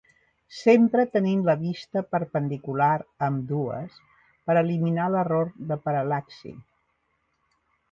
Sempre tenint la vista perpendicular a ambdues per eliminar l'error de paral·laxi.